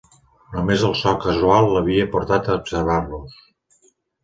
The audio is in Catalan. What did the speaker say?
Només el so casual l'havia portat a observar-los.